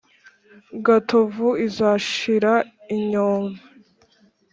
gatovu izashira inyovi.